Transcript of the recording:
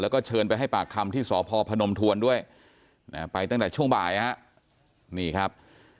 แล้วก็เชิญไปให้ปากคำที่สพพนมทวนด้วยไปตั้งแต่ช่วงบ่ายฮะนี่ครับ